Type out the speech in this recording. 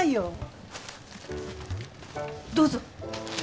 どうぞ。